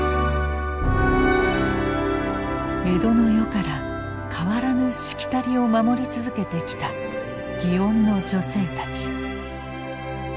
江戸の世から変わらぬ「しきたり」を守り続けてきた祇園の女性たち。